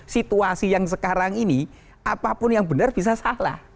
situasi yang sekarang ini apapun yang benar bisa salah